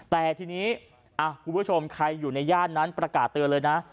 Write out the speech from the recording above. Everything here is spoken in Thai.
แต่ทีนี้คุณผู้ชมใครอยู่ในย่านนั้นประกาศเตือนเลยนะ